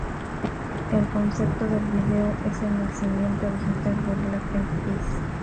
El concepto del video es el nacimiento digital de Black Eyed Peas.